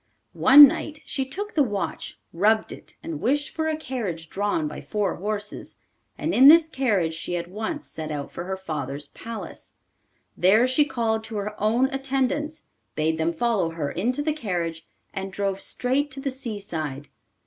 One night she took the watch, rubbed it, and wished for a carriage drawn by four horses; and in this carriage she at once set out for her father's palace. There she called to her own attendants, bade them follow her into the carriage, and drove straight to the sea side.